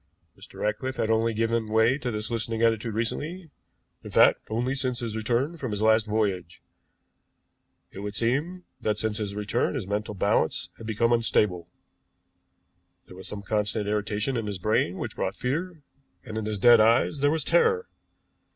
Mr. Ratcliffe had only given way to this listening attitude recently; in fact, only since his return from his last voyage. It would seem that since his return his mental balance had become unstable. There was some constant irritation in his brain which brought fear, and in his dead eyes there was terror.